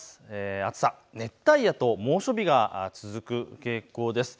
暑さ、熱帯夜と猛暑日が続く傾向です。